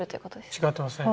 違ってますね。